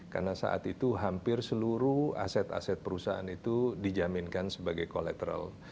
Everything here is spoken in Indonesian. karena saat itu hampir seluruh aset aset perusahaan itu dijaminkan sebagai konsumen